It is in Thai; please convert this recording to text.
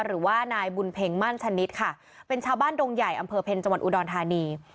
หรือว่านายบุญเพ็งมั่นชนิดค่ะเป็นชาวบ้านดงใหญ่อำเภอเพ็ญจังหวัดอุดรธานี